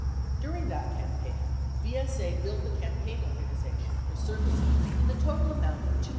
During that campaign, VSA billed the campaign organization for services in the total amount of $270,000.